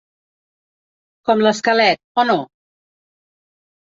Com l'esquelet, o no?